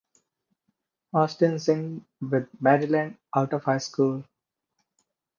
Austin signed with Maryland out of high school.